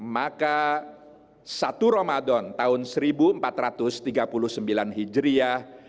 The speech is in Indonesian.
maka satu ramadan tahun seribu empat ratus tiga puluh sembilan hijriah